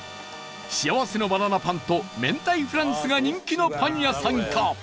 幸せのバナナぱんと明太フランスが人気のパン屋さんか？